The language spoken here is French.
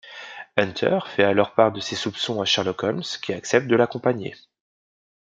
Hunter fait alors part de ses soupçons à Sherlock Holmes qui accepte de l'accompagner...